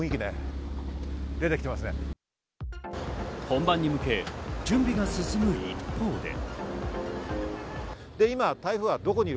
本番に向け準備が進む一方で。